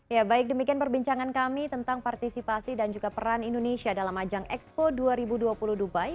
ya baik demikian perbincangan kami tentang partisipasi dan juga peran indonesia dalam ajang expo dua ribu dua puluh dubai